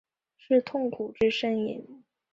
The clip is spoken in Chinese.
是痛苦之呻吟？